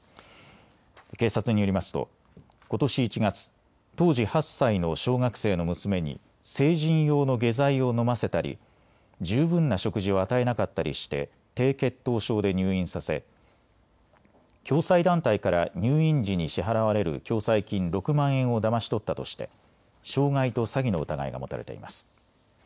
警察によりますとことし１月、当時８歳の小学生の娘に成人用の下剤を飲ませたり十分な食事を与えなかったりして低血糖症で入院させ共済団体から入院時に支払われる共済金６万円をだまし取ったとして傷害と詐欺の疑いが持たれています。